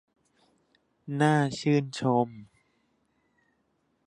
น่าชื่นชม